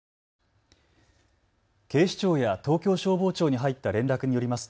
警視庁や東京消防庁に入った連絡によります